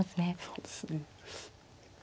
そうですね。